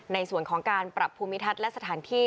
ในส่วนของการปรับภูมิทัศน์และสถานที่